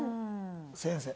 先生。